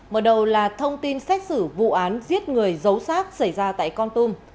mở đầu là thông tin xét xử vụ án giết người giấu sát xảy ra tại con tum